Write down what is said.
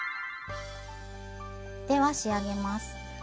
では仕上げます。